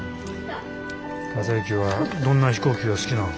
正行はどんな飛行機が好きなん？